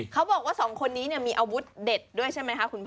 เขาบอกว่าสองคนนี้มีอาวุธเด็ดด้วยใช่ไหมคะคุณพ่อ